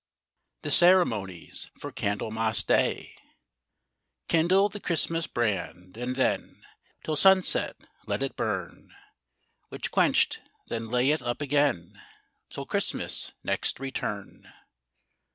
22. THE CEREMONIES FOR CANDLEMAS DAY Kindle the Christmas brand, and then Till sunset let it burn; Which quench'd, then lay it up again, Till Christmas next return.